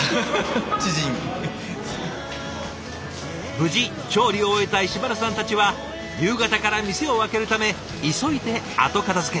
無事調理を終えた石丸さんたちは夕方から店を開けるため急いで後片づけ。